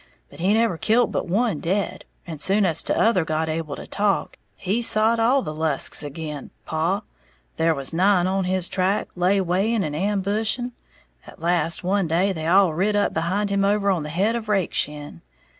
But he never kilt but one dead; and soon as t'other got able to talk, he sot all the Lusks ag'in paw, there was nine on his track, laywaying and ambushing. At last one day they all rid up behind him over on the head of Rakeshin.